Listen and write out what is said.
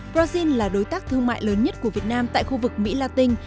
brazil là đối tác thương mại lớn nhất của việt nam tại khu vực mỹ la tinh